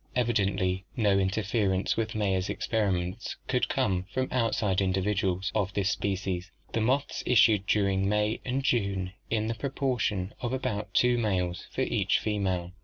Evidently no interference with Mayer's experiments could come from outside individuals of this species. The moths issued during May and June in the proportion of about two males for each female.